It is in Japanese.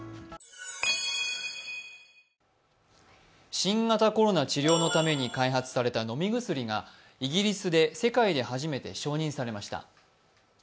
新型コロナ治療のために開発された飲み薬がイギリスで世界で初めて承認されました。